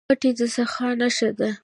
خټکی د سخا نښه ده.